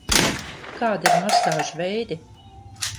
Kādi ir masāžu veidi?